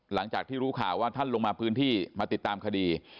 หลังจากที่รู้ข่าวว่าท่านลงมาพื้นที่มาติดตามคดี